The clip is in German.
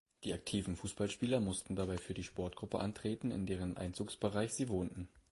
Die aktiven Fußballspieler mussten dabei für die Sportgruppe antreten, in deren Einzugsbereich sie wohnten.